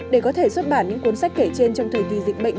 để có thể xuất bản những cuốn sách kể trên trong thời kỳ dịch bệnh